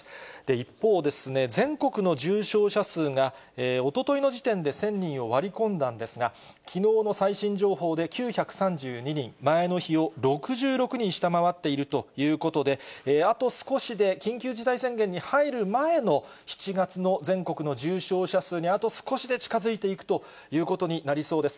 一方ですね、全国の重症者数がおとといの時点で１０００人を割り込んだんですが、きのうの最新情報で９３２人、前の日を６６人下回っているということで、あと少しで緊急事態宣言に入る前の７月の全国の重症者数に、あと少しで近づいていくということになりそうです。